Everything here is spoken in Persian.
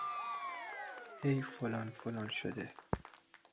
ای فلان فلان شده!